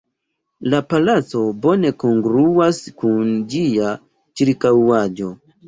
La palaco bone kongruas kun ĝia ĉirkaŭaĵo.